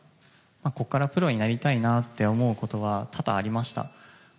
ここからプロになりたいなと思うことは多々ありました。